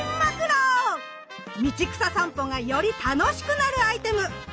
道草さんぽがより楽しくなるアイテム！